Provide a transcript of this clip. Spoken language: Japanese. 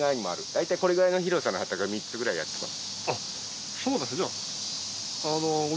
だいたいこれくらいの広さの畑を３つくらいやってます。